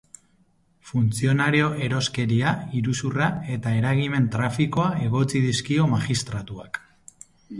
Funtzionario-eroskeria, iruzurra eta eragimen-trafikoa egotzi dizkio magistratuak.